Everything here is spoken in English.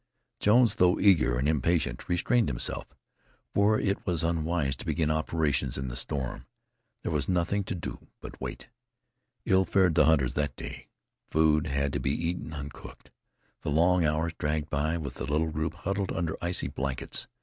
Jones, though eager and impatient, restrained himself, for it was unwise to begin operations in the storm. There was nothing to do but wait. Ill fared the hunters that day. Food had to be eaten uncooked. The long hours dragged by with the little group huddled under icy blankets.